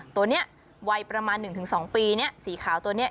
ตัวนี้วัยประมาณ๑๒ปีสีขาวตัวนี้